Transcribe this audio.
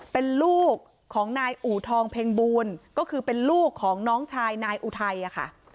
เป็นลูกของนายอูทองเพ็งบูลก็คือเป็นลูกของน้องชายนายอุทัยค่ะ